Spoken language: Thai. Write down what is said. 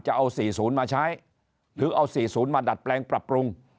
จะเอา๔๐มาใช้หรือเอา๔๐มาดัดแปลงปรับปรุง